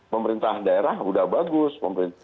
pemerintahan daerah udah bagus